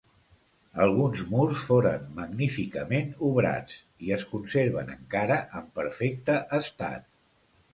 Alguns murs foren magníficament obrats i es conserven encara en perfecte estat.